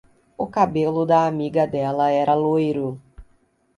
O cabelo da amiga dela era loiro.